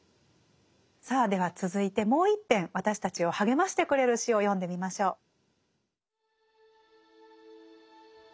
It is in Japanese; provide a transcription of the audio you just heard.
さあでは続いてもう１篇私たちを励ましてくれる詩を読んでみましょう。